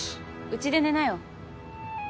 うちで寝なよ。